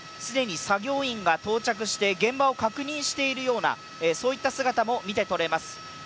既に作業員が到着して現場を確認しているような姿も見て取れます。